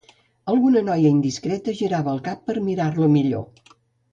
Alguna noia indiscreta girava el cap per mirar-lo millor.